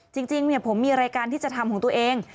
จริงผมมีรายการที่จะทำของตัวเอง